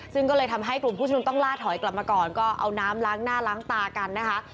ซึ่งก็เลยทำให้กลุ่มผู้ชมนุมต้องล่าถอยกลับมาก่อนก็เอาน้ำล้างหน้าล้างตากันนะคะ